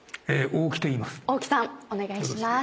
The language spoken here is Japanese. オオキさんお願いします。